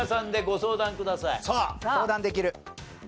相談できる。